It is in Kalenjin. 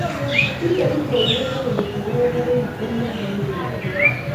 Kiite kipsoiywet akobirto kebebaik eng ye kinegite